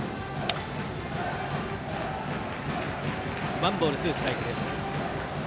ワンボール、ツーストライクです。